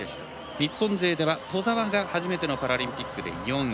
日本勢では兎澤が初めてのパラリンピックで４位。